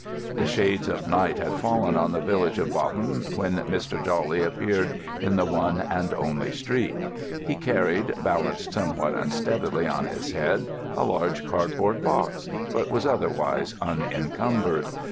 The shades of night had fallen on the village of Bobham when Mr. Jawley appeared in the one and only street. He carried, balanced somewhat unsteadily on his head, a large cardboard box, but was otherwise unencumbered.